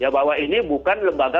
bahwa ini bukan lembaga